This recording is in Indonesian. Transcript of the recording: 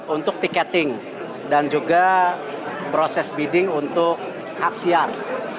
untuk tiketing dan juga proses bidding untuk hak siar